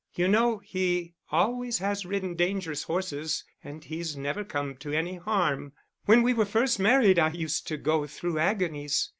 You know he always has ridden dangerous horses and he's never come to any harm. When we were first married I used to go through agonies.